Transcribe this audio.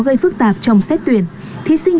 gây phức tạp trong xét tuyển thí sinh